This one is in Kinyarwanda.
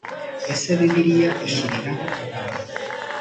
ese bibiliya ishyiriraho abantu